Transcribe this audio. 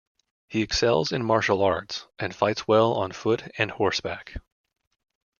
He excels in martial arts and fights well on foot and horseback.